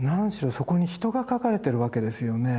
そこに人が描かれているわけですよね。